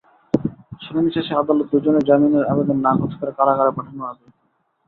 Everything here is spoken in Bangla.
শুনানি শেষে আদালত দুজনের জামিনের আবেদন নাকচ করে কারাগারে পাঠানোর আদেশ দেন।